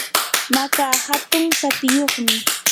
maka hatun sapiyuqmi.